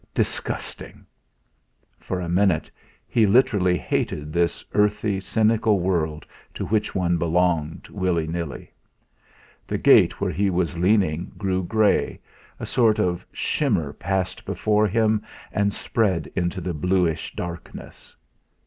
Disgusting! For a minute he literally hated this earthy, cynical world to which one belonged, willy nilly. The gate where he was leaning grew grey, a sort of shimmer passed be fore him and spread into the bluish darkness.